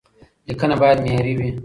لیکنه باید معیاري وي.